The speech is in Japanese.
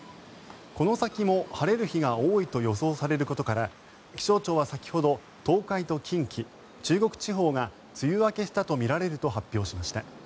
この先も晴れる日が多いと予想されることから気象庁は先ほど東海と近畿中国地方が梅雨明けしたとみられると発表しました。